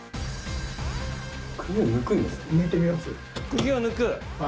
釘を抜く？